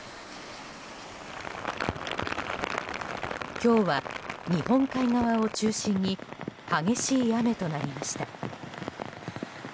今日は日本海側を中心に激しい雨となりました。